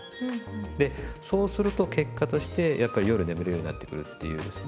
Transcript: でそうすると結果としてやっぱり夜眠るようになってくるっていうですね